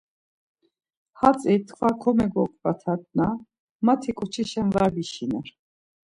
Hatzi tkva komegoǩvatatnamati ǩoçişen var bişiner.